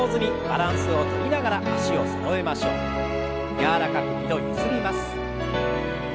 柔らかく２度ゆすります。